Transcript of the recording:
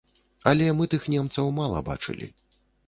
Але мы тых немцаў мала бачылі.